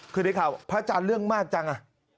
คือในข่าวพระอาจารย์เรื่องมากจังอ่ะ